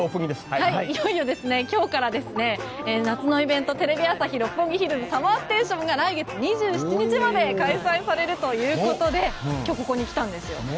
いよいよ、今日から夏のイベント「テレビ朝日・六本木ヒルズＳＵＭＭＥＲＳＴＡＴＩＯＮ」来月２７日まで開催されるということで今日ここに来たんです。